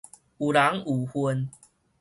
有人有份